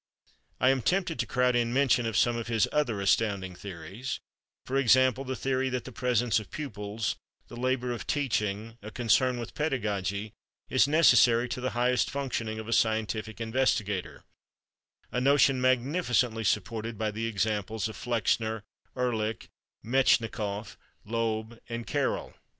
I am tempted to crowd in mention of some of his other astounding theories—for example, the theory that the presence of pupils, the labor of teaching, a concern with pedagogy, is necessary to the highest functioning of a scientific investigator—a notion magnificently supported by the examples of Flexner, Ehrlich, Metchnikoff, Loeb and Carrel!